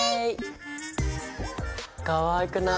かわいくない？